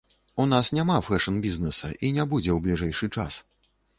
У нас няма фэшн-бізнэса і не будзе ў бліжэйшы час.